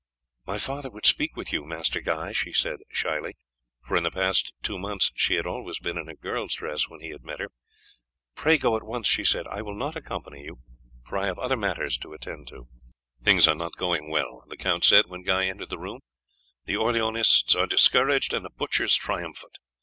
"My father would speak with you, Master Guy," she said shyly, for in the past two months she had always been in her girl's dress when he had met her. "Pray go at once," she said; "I will not accompany you, for I have other matters to attend to." "Things are not going well," the count said when Guy entered the room; "the Orleanists are discouraged and the butchers triumphant.